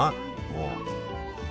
もう。